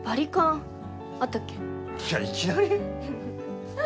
いや、いきなり？